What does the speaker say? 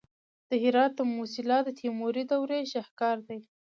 د هرات د موسیلا د تیموري دورې شاهکار دی